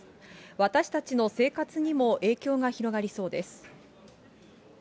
私たちの生活にも影響が広がりそうです。